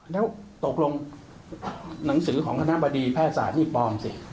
แล้วตกลงหนังสือของคณะบดีแพทยศาสตร์นี่ปลอมสิ